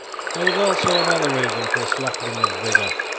There was also another reason for a slackening of vigour.